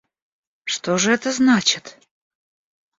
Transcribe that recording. Что же это значит?